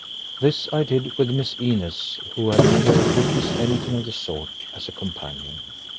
This I did with Miss Inez, who had never witnessed anything of the sort, as a companion.